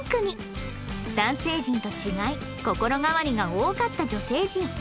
男性陣と違い心変わりが多かった女性陣